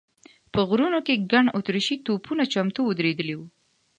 په غرونو کې ګڼ اتریشي توپونه چمتو ودرېدلي و.